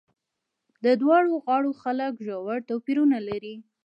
د دواړو غاړو خلک ژور توپیرونه لري.